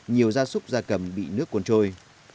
nhiều gia súc gia cầm bị nước cuốn trôi